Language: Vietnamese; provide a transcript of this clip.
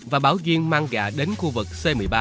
và báo duyên mang gà đến khu vực c một mươi ba